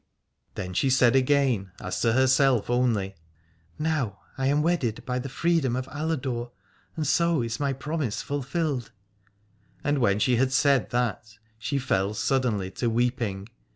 Then she said again as to herself only: Now am I wedded by the freedom of Aladore, and so is my promise fulfilled. And when she had said that she fell suddenly to weeping.